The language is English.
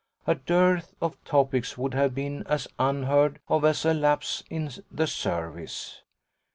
A dearth of topics would have been as unheard of as a lapse in the service.